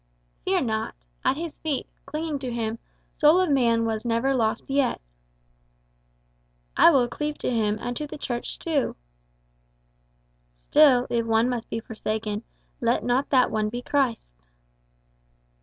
"Fear not. At his feet, clinging to him, soul of man was never lost yet." "I will cleave to him, and to the Church too." "Still, if one must be forsaken, let not that one be Christ."